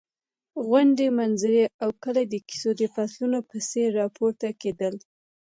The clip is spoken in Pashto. غونډۍ، منظرې او کلي د کیسو د فصلونو په څېر راپورته کېدل.